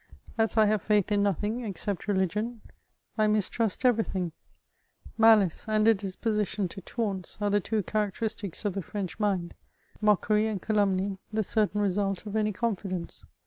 As I have faith in nothing, except religion, I mistrust everything : malice and a disposition to taunts are the two characteristics of the French mind ; mockery and calumny the certain result of any confidence.